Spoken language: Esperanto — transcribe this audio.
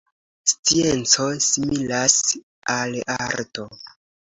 Scienco similas al arto.